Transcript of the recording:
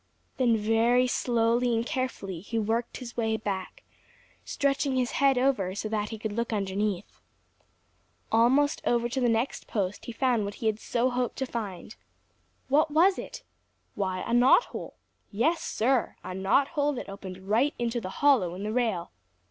Then very slowly and carefully he worked his way back, stretching his head over so that he could look underneath. Almost over to the next post he found what he had so hoped to find. What was it? Why, a knot hole. Yes, Sir, a knot hole that opened right into the hollow in the rail.